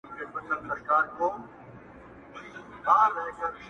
o اوس خو رڼاگاني كيسې نه كوي.